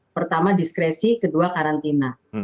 pertama diskresi kedua karantina